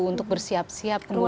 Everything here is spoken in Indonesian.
untuk bersiap siap kemudian